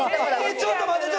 ちょっと待って！